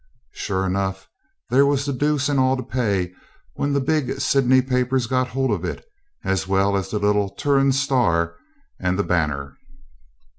Sure enough, there was the deuce and all to pay when the big Sydney papers got hold of it, as well as the little 'Turon Star' and the 'Banner'.